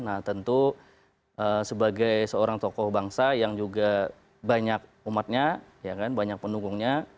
nah tentu sebagai seorang tokoh bangsa yang juga banyak umatnya banyak pendukungnya